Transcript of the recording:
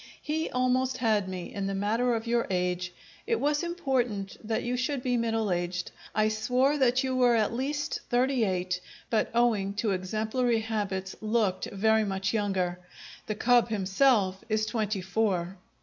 He almost had me in the matter of your age; it was important that you should be middle aged. I swore that you were at least thirty eight, but, owing to exemplary habits, looked very much younger. The cub himself is twenty four.